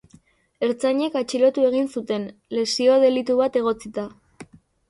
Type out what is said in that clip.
Ertzainek atxilotu egin zuten, lesio-delitu bat egotzita.